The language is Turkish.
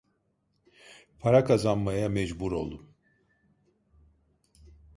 Para kazanmaya mecbur oldum.